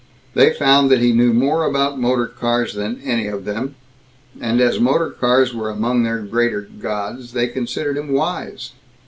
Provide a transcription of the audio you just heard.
They found that he knew more about motor cars than any of them, and as motor cars were among their greater gods, they considered him wise.